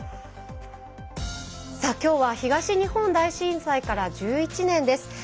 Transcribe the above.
きょうは東日本大震災から１１年です。